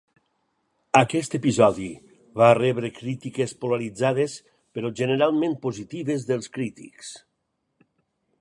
Aquest episodi va rebre crítiques polaritzades però generalment positives dels crítics.